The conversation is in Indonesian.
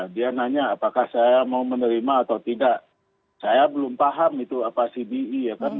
dia nanya apakah saya mau menerima atau tidak saya belum paham itu apa cbe ya kan